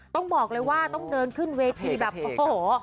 ต้องบอกเลยว่าต้องเดินขึ้นเวทีแบบโอ้โห